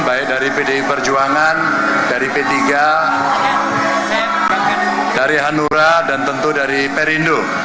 baik dari pdi perjuangan dari p tiga dari hanura dan tentu dari perindo